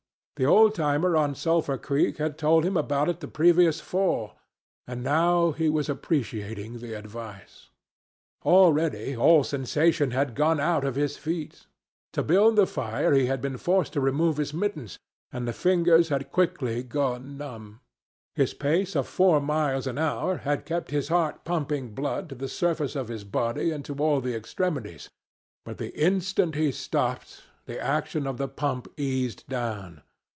The old timer on Sulphur Creek had told him about it the previous fall, and now he was appreciating the advice. Already all sensation had gone out of his feet. To build the fire he had been forced to remove his mittens, and the fingers had quickly gone numb. His pace of four miles an hour had kept his heart pumping blood to the surface of his body and to all the extremities. But the instant he stopped, the action of the pump eased down.